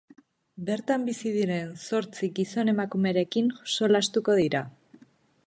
Bertan bizi diren zortzi gizon-emakumerekin solastatuko dira.